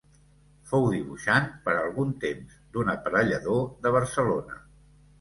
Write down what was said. Fou dibuixant, per algun temps, d'un aparellador de Barcelona.